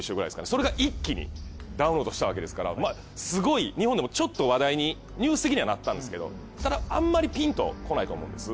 それが一気にダウンロードしたわけですからすごい日本でもちょっと話題にニュース的にはなったんですけどただあんまりピンと来ないと思うんです。